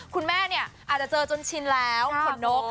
คุณแม่เนี่ยอาจจะเจอจนชินแล้วขนนก